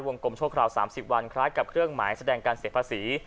กลมชั่วคราว๓๐วันคล้ายกับเครื่องหมายแสดงการเสียภาษี